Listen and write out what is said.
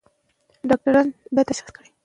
که شفافیت موجود وي، شک نه پراخېږي.